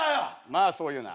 まあそう言うな。